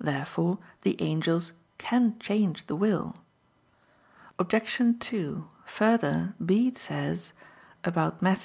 Therefore the angels can change the will. Obj. 2: Further, Bede says (Super Matth.